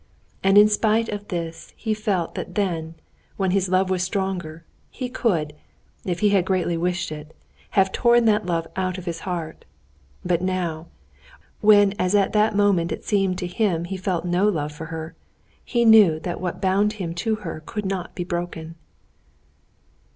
And in spite of this he felt that then, when his love was stronger, he could, if he had greatly wished it, have torn that love out of his heart; but now, when as at that moment it seemed to him he felt no love for her, he knew that what bound him to her could not be broken.